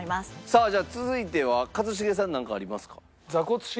さあじゃあ続いては一茂さんなんかありますか？